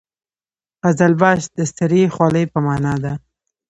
قزلباش د سرې خولۍ په معنا ده.